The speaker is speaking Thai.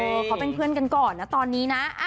เขาเป็นเพื่อนกันก่อนนะตอนนี้นะ